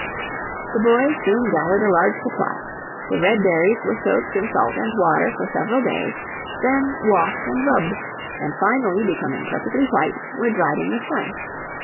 The boys soon gathered a large supply; the red berries were soaked in salt and water for several days, then washed and rubbed, and finally, becoming perfectly white, were dried in the sun.